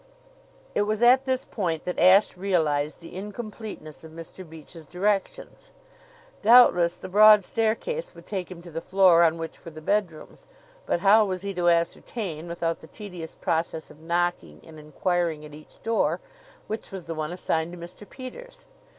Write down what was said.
It was at this point that Ashe realized the incompleteness of Mr. Beach's directions. Doubtless, the broad staircase would take him to the floor on which were the bedrooms; but how was he to ascertain, without the tedious process of knocking and inquiring at each door, which was the one assigned to Mr. Peters?